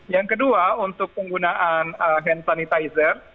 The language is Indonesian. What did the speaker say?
yang kedua untuk penggunaan hand sanitizer